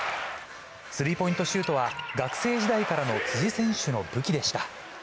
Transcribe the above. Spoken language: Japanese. スリーポイントシュートは、学生時代からの辻選手の武器でした。